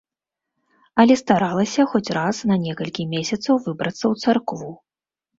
Але старалася хоць раз на некалькі месяцаў выбрацца ў царкву.